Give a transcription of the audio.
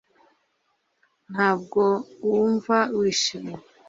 ntabwo wumva wishimye